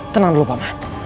tenang dulu pak man